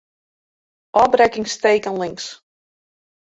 Ofbrekkingsteken links.